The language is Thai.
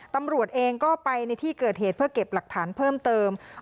ตำรวจเองก็ไปในที่เกิดเหตุเพื่อเก็บหลักฐานเพิ่มเติม